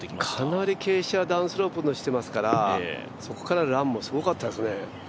かなり傾斜スロープしてますからそこからのランもすごかったですね。